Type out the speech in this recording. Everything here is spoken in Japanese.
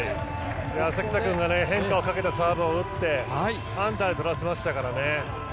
関田君が変化をかけたサーブを打ってアンダーでとらせましたからね。